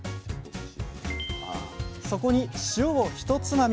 そこに塩をひとつまみ。